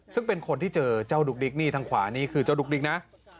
ซึ่งเป็นคนที่เจอเจ้าดุ๊กดิ๊กนี่ทางขวานี่คือเจ้าดุ๊กดิ๊กนะ